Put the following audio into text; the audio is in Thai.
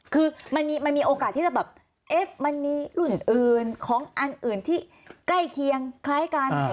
คือมันมีโอกาสที่จะแบบมันมีรุ่นอื่นของอันอื่นที่ใกล้เคียงคล้ายกัน